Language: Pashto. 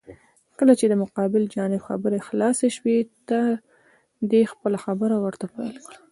کله چې د مقابل جانب خبرې خلاسې شوې، ته دې خپله خبره ورته پېل کړه.